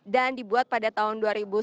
dan dibuat pada tahun dua ribu sembilan